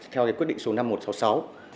theo quyết định số năm nghìn một trăm sáu mươi sáu